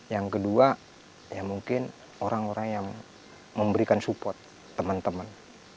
yang kedua ya mungkin orang orang yang memberikan support teman teman